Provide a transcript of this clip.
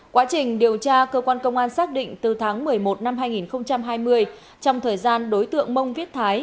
quá trình điều tra cơ quan công an xác định từ tháng một mươi một năm hai nghìn hai mươi trong thời gian đối tượng mông viết thái